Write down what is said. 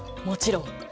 もちろん。